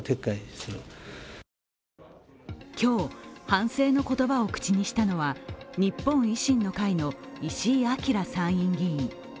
今日、反省の言葉を口にしたのは日本維新の会の石井章参院議員。